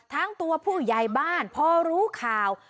ทั้งตัวผู้ใหญ่บ้านพอรู้ข่าว